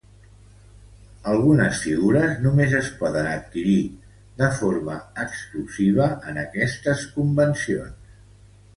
Algunes figures només es poden adquirir de forma exclusiva en aquestes convencions.